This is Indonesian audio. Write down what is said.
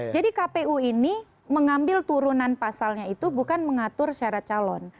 jadi kpu ini mengambil turunan pasalnya itu bukan mengatur syarat calon